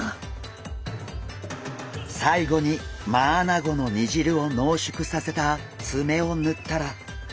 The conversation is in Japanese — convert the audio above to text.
最後にマアナゴの煮汁を濃縮させたツメをぬったら。